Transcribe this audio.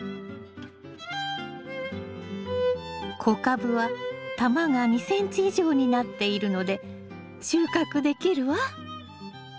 小カブは球が２ｃｍ以上になっているので収穫できるわ。